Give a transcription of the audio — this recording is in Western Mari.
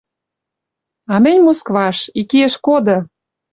«А мӹнь — Москваш! Ик иэш коды!»